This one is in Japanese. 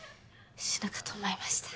死ぬかと思いました。